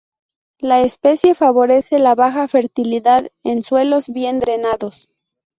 La especie favorece la baja fertilidad en suelos bien drenados.